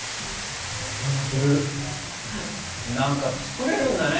何か作れるんだね。